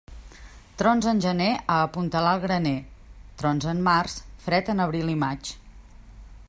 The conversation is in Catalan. Trons en gener, a apuntalar el graner; trons en març, fred en abril i maig.